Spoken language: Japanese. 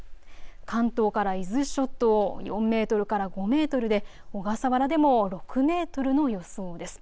関東から伊豆諸島、４メートルから５メートルで小笠原でも６メートルの予想です。